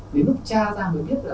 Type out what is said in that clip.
đến lúc cha ra mới biết là